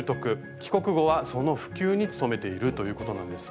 帰国後はその普及に努めているということなんですが。